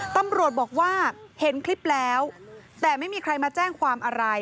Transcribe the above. ตำรวจบอกว่าเห็นคลิปแล้วแต่ไม่มีใครมาแจ้งความอะไร